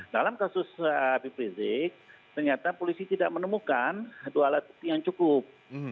dalam kasus habib rizik ternyata polisi tidak menemukan dua alat bukti yang cukup